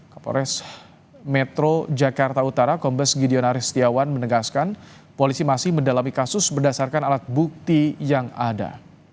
kapolres metro jakarta utara kombes gideon aris setiawan menegaskan polisi masih mendalami kasus berdasarkan alat bukti yang ada